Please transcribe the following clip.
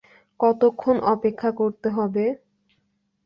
কতক্ষণ অপেক্ষা করতে হবে?